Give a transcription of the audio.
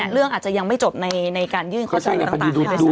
เรื่องอาจจะยังไม่จบในการยื่นข้อเสนอต่าง